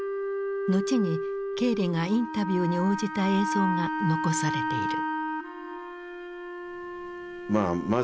後にケーリがインタビューに応じた映像が残されている。